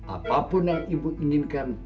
apapun yang ibu inginkan